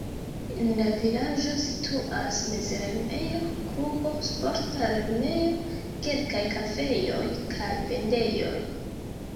En la vilaĝo situas mezlernejo, klubo, sporta lernejo, kelkaj kafejoj kaj vendejoj.